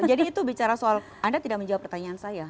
jadi itu bicara soal anda tidak menjawab pertanyaan saya